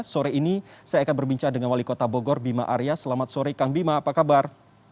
sore ini saya akan berbincang dengan wali kota bogor bima arya selamat sore kang bima apa kabar